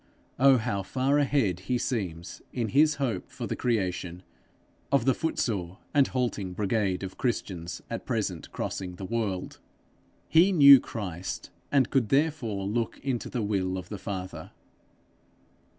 Oh, how far ahead he seems, in his hope for the creation, of the footsore and halting brigade of Christians at present crossing the world! He knew Christ, and could therefore look into the will of the Father.